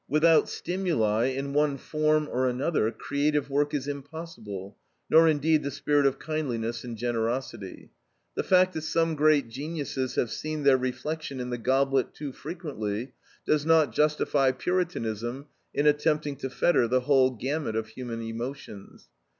Without stimuli, in one form or another, creative work is impossible, nor indeed the spirit of kindliness and generosity. The fact that some great geniuses have seen their reflection in the goblet too frequently, does not justify Puritanism in attempting to fetter the whole gamut of human emotions.